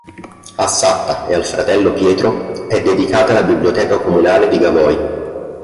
A Satta e al fratello Pietro è dedicata la biblioteca comunale di Gavoi.